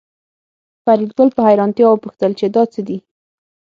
فریدګل په حیرانتیا وپوښتل چې دا څه دي